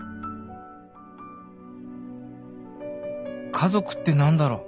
家族って何だろう